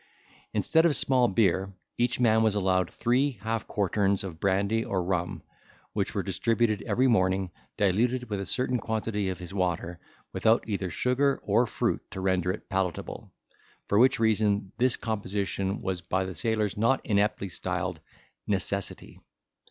Instead of small beer, each man was allowed three half quarterns of brandy or rum, which were distributed every morning, diluted with a certain quantity of his water, without either sugar or fruit to render it palatable, for which reason, this composition was by the sailors not ineptly styled Necessity.